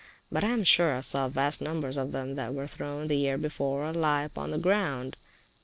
But I am sure I saw vast numbers of them that were thrown the year before, lie upon the ground.